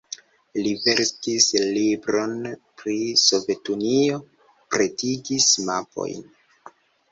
Li verkis libron pri Sovetunio, pretigis mapojn.